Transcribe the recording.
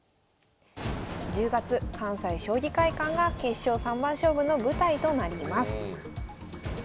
１０月関西将棋会館が決勝三番勝負の舞台となります。